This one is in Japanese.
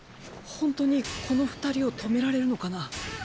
ホントにこの２人を止められるのかな。